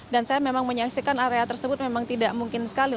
dan saya memang menyaksikan area tersebut memang tidak mungkin sekali